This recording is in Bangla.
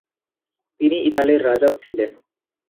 তিনি ইতালির রাজাও ছিলেন।